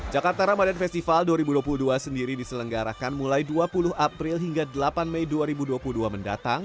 jakarta ramadan festival dua ribu dua puluh dua sendiri diselenggarakan mulai dua puluh april hingga delapan mei dua ribu dua puluh dua mendatang